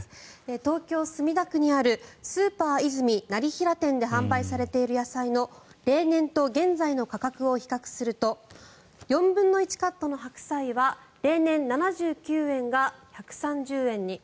東京・墨田区にあるスーパーイズミ業平店で販売されている野菜の例年と現在の価格を比較すると４分の１カットの白菜は例年７９円が１３０円に。